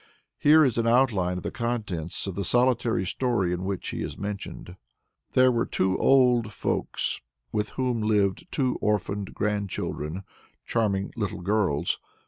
Here is an outline of the contents of the solitary story in which he is mentioned. There were two old folks with whom lived two orphan grandchildren, charming little girls.